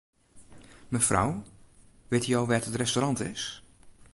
Mefrou, witte jo wêr't it restaurant is?